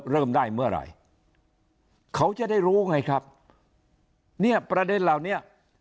เริ่มได้เมื่อไหร่เขาจะได้รู้ไงครับเนี่ยประเด็นเหล่านี้